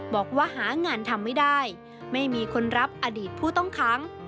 บอกว่าหางานทำไม่ได้ไม่มีคนรับอดีตผู้ต้องขัง